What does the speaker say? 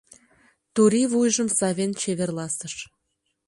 Турий вуйжым савен чеверласыш.